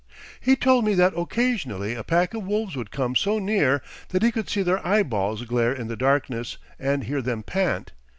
He told me that occasionally a pack of wolves would come so near that he could see their eyeballs glare in the darkness and hear them pant.